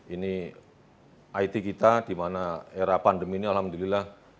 ini it kita di mana era pandemi ini alhamdulillah